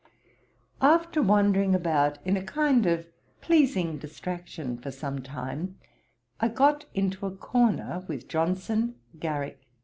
After wandering about in a kind of pleasing distraction for some time, I got into a corner, with Johnson, Garrick, and Harris.